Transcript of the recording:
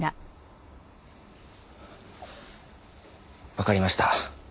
わかりました。